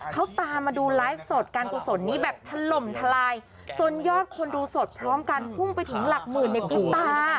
เขาตามมาดูไลฟ์สดการกุศลนี้แบบถล่มทลายจนยอดคนดูสดพร้อมกันพุ่งไปถึงหลักหมื่นในพริบตา